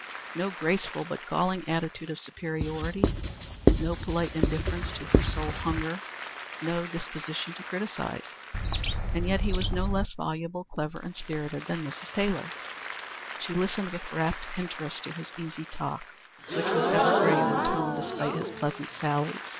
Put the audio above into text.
No graceful but galling attitude of superiority, no polite indifference to her soul hunger, no disposition to criticise. And yet he was no less voluble, clever, and spirited than Mrs. Taylor. She listened with wrapt interest to his easy talk, which was ever grave in tone, despite his pleasant sallies.